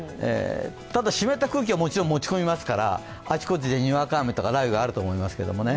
ただ湿った空気はもちろん持ち込みますから、あちこちでにわか雨とか雷雨、あると思いますけどね。